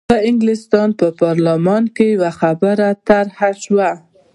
په انګلستان په پارلمان کې یوه خبره طرح شوه.